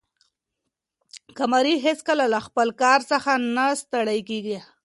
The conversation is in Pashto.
قمري هیڅکله له خپل کار څخه نه ستړې کېږي.